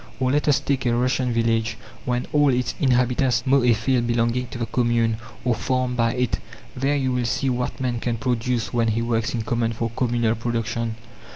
Or let us take a Russian village, when all its inhabitants mow a field belonging to the commune, or farmed by it. There you will see what man can produce when he works in common for communal production.